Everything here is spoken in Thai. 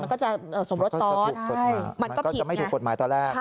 มันก็จะสมรสสอร์ทมันก็ผิดไงมันก็จะไม่ถูกกฎหมายตอนแรก